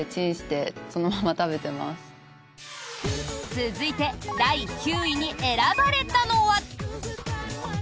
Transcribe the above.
続いて第９位に選ばれたのは。